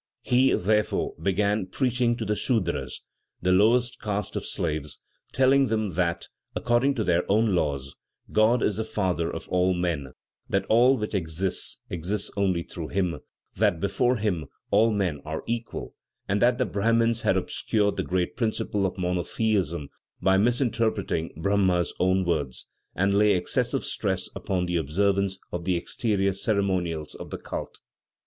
He, therefore, began preaching to the Sudras, the lowest caste of slaves, telling them that, according to their own laws, God is the Father of all men; that all which exists, exists only through Him; that, before Him, all men are equal, and that the Brahmins had obscured the great principle of monotheism by misinterpreting Brahma's own words, and laying excessive stress upon observance of the exterior ceremonials of the cult.